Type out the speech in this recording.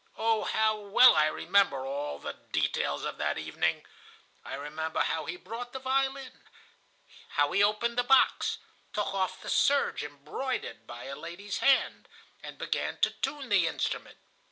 Oh, how well I remember all the details of that evening! I remember how he brought the violin, how he opened the box, took off the serge embroidered by a lady's hand, and began to tune the instrument.